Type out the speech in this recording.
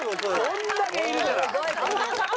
こんだけいるから。